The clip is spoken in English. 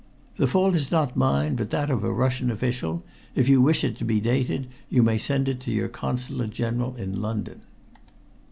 "The fault is not mine, but that of a Russian official. If you wish it to be dated, you may send it to your Consulate General in London."